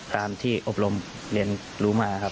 ตามที่อบรมเรียนรู้มาครับ